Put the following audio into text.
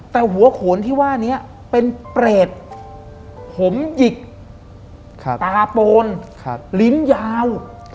แต่หัวโขนที่ว่านี้เป็นเปรตผมหยิกตาโปนลิ้นยาว